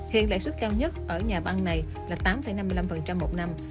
hiện lãi suất cao nhất ở nhà băng này là tám năm mươi năm một năm